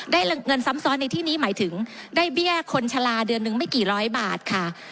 เงินซ้ำซ้อนในที่นี้หมายถึงได้เบี้ยคนชะลาเดือนหนึ่งไม่กี่ร้อยบาทค่ะ